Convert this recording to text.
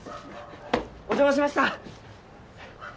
お邪魔しました。